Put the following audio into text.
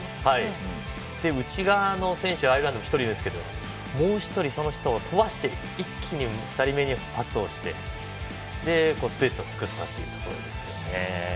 内側の選手がアイルランド１人ですがもう１人その人を飛ばして一気にパスをして、スペースを作ったというところですね。